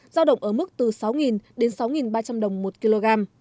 giao động ở mức từ sáu đến sáu ba trăm linh đồng một kg